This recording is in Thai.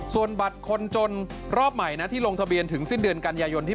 ส่วนบัตรคนจนรอบใหม่นะที่ลงทะเบียนถึงสิ้นเดือนกันยายน